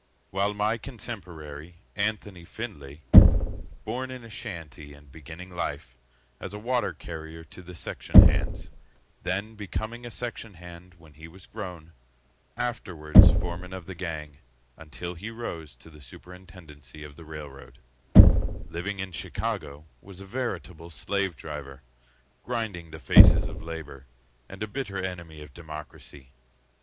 While my contemporary, Anthony Findlay, Born in a shanty and beginning life As a water carrier to the section hands, Then becoming a section hand when he was grown, Afterwards foreman of the gang, until he rose To the superintendency of the railroad, Living in Chicago, Was a veritable slave driver, Grinding the faces of labor, And a bitter enemy of democracy.